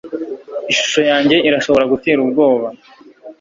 ishusho yanjye irashobora gutera ubwoba